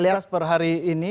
elektabilitas per hari ini